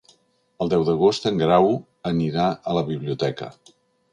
El deu d'agost en Grau anirà a la biblioteca.